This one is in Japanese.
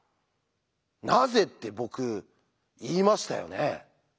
なぜって僕言いましたよね。